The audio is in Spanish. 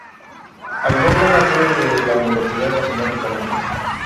Alberga una sede de la Universidad Nacional de Colombia.